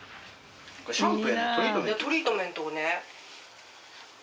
トリートメントをね。